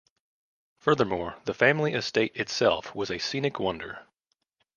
Furthermore, the family estate itself was a scenic wonder.